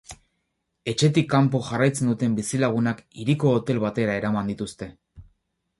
Etxetik kanpo jarraitzen duten bizilagunak hiriko hotel batera eraman dituzte.